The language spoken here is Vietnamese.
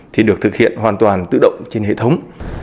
thì được thực hiện hoàn toàn tự động trên hệ thống